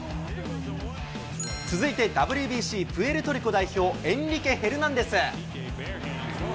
続いてＷＢＣプエルトリコ代表のエンリケ・ヘルナンデス。